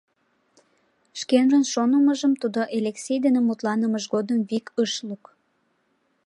Шкенжын шонымыжым тудо Элексей дене мутланымыж годым вик ыш лук.